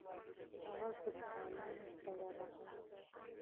هغه ګلدانونو ته ورغی.